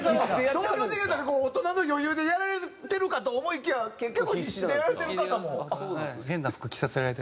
東京事変さんがこう大人の余裕でやられてるかと思いきや結局必死でやられてる方も。